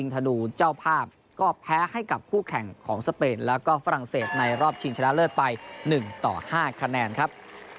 ๑ต่อ๕คะแนนครับ